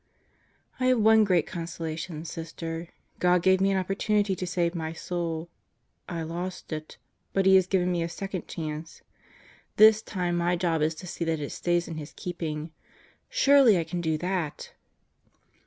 I have one great consolation, Sister: God gave me an opportunity to save my soul. I lost it. But He has given me a second chance. This time my job is to see that it stays in His keeping. Surely I can do that!